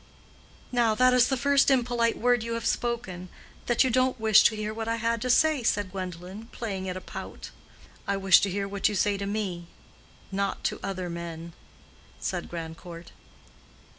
"Now that is the first impolite word you have spoken—that you don't wish to hear what I had to say," said Gwendolen, playing at a pout. "I wish to hear what you say to me—not to other men," said Grandcourt.